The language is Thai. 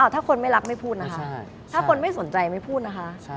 ถ้าคนไม่รักไม่พูดนะคะถ้าคนไม่สนใจไม่พูดนะคะ